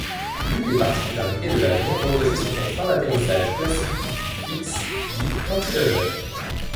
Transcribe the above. L'une des particularités de l'avion reposait sur son train d'atterrissage classique fixe dit cantilever.